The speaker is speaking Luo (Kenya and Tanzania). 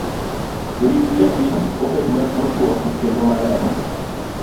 Rit lepi obed machuok kendo maler.